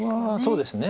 そうですね。